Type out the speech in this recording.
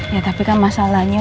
ya tapi kan masalahnya